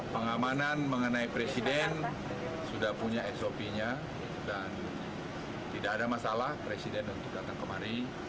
pengamanan mengenai presiden sudah punya sop nya dan tidak ada masalah presiden untuk datang kemari